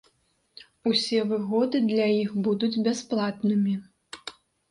Усе выгоды для іх будуць бясплатнымі.